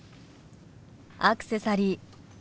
アクセサリー